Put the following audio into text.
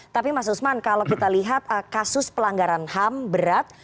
tapi mas usman kalau kita lihat kasus pelanggaran ham berat